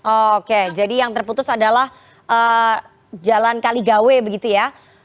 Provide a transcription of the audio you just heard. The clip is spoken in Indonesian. oke jadi yang terputus adalah jalan kaligawe begitu ya